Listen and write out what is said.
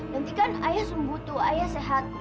nanti kan ayah sembutu ayah sehat